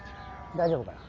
大丈夫かな？